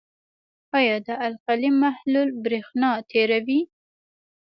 آیا د القلي محلول برېښنا تیروي؟